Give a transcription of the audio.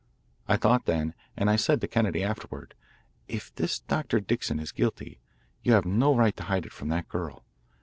I thought then, and I said to Kennedy afterward: "If this Dr. Dixon is guilty, you have no right to hide it from that girl.